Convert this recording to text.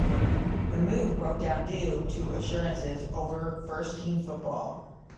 The move broke down due to assurances over first team football.